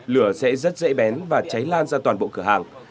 lửa sẽ rất dễ bén và cháy lan ra toàn bộ cửa hàng